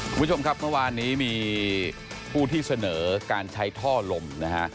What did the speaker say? คุณผู้ชมครับเมื่อวานนี้มีผู้ที่เสนอการใช้ท่อลมนะฮะ